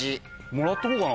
もらっとこうかな。